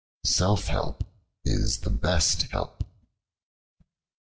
Self help is the best help.